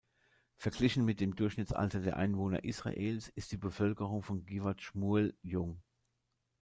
Verglichen mit dem Durchschnittsalter der Einwohner Israels ist die Bevölkerung von Givat Schmuel jung.